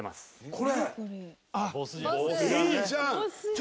これ。